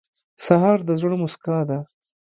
سهار د زړه موسکا ده.